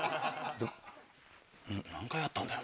何回会ったんだよ？